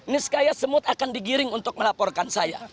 niskaya semut akan digiring untuk melaporkan saya